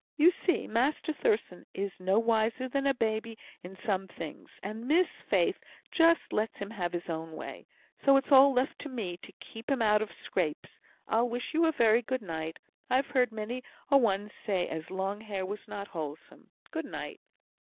You see, Master Thurstan is no wiser than a babby in some things; and Miss Faith just lets him have his own way; so it's all left to me to keep him out of scrapes. I'll wish you a very good night. I've heard many a one say as long hair was not wholesome. Good night."